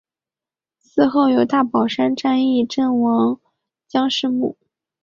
祠后有大宝山战役阵亡将士墓。